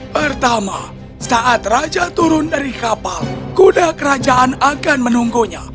pertama saat raja turun dari kapal kuda kerajaan akan menunggunya